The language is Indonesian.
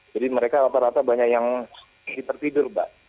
jadi mereka rata rata banyak yang tertidur mbak